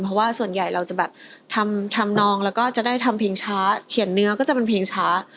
เพราะว่าส่วนใหญ่เราจะแบบทำนองแล้วก็จะได้ทำเพลงช้าเขียนเนื้อก็จะเป็นเพลงช้า